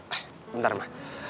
eh bentar ma